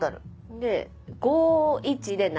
で「５・１」で「ナ」。